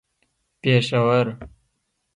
پېښور